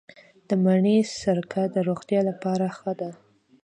د مڼې سرکه د روغتیا لپاره ښه ده.